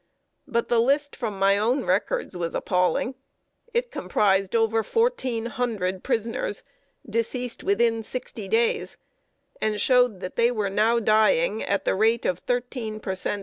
But the list from my own records was appalling. It comprised over fourteen hundred prisoners deceased within sixty days, and showed that they were now dying at the rate of thirteen per cent.